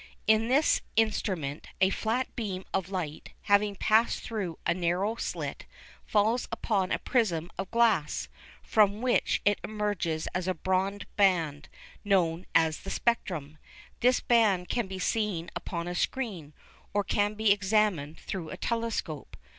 In this instrument a flat beam of light, having passed through a narrow slit, falls upon a prism of glass, from which it emerges as a broad band, known as the "spectrum." This band can be seen upon a screen, or can be examined through a telescope.